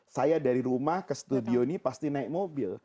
saya dari rumah ke studio ini pasti naik mobil